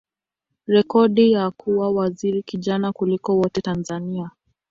rekodi ya kuwa waziri kijana kuliko wote Tanzania.